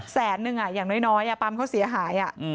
แสนนึงอย่างน้อยปั๊มเขาเสียหาย